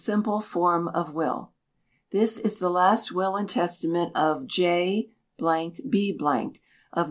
Simple Form of Will. This is the last will and testament of J B , of No.